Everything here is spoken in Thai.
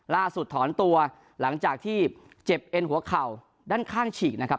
ถอนตัวหลังจากที่เจ็บเอ็นหัวเข่าด้านข้างฉีกนะครับ